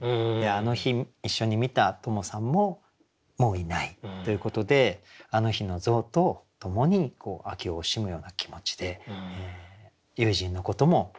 あの日一緒に見たトモさんももういないということであの日の象とともに秋を惜しむような気持ちで友人のことも惜しむ。